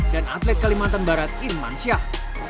dan atlet kalimantan barat irman syah